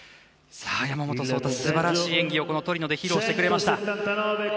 山本草太、素晴らしい演技をトリノで披露してくれました。